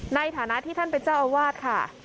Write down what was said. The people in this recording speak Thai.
ในฐานะที่ท่านเป็นเจ้าอาวาสค่ะ